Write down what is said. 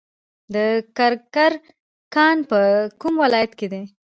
د کرکر کان په کوم ولایت کې دی؟